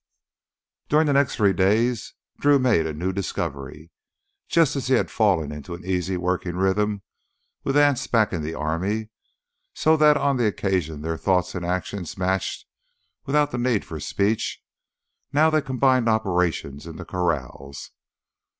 During the next three days Drew made a new discovery. Just as he had fallen into an easy, working rhythm with Anse back in the army—so that on occasion their thoughts and actions matched without the need for speech—now they combined operations in the corrals.